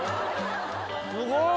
すごい！